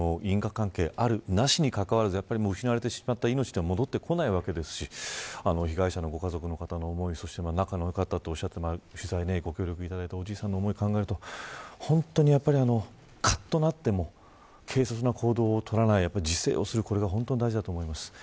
関係あるなしにかかわらず失われてしまった命は戻ってこないわけですし被害者のご家族の方の思い仲の良かったとおっしゃっていたおじいさんの思いを考えると、本当にかっとなっても軽率な行動を取らない自制をするのが大事だと思います。